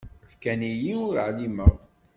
Fkan-iyi ur ɛlimeɣ.